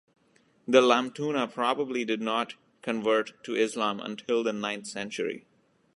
The Lamtuna probably did not convert to Islam until the ninth century.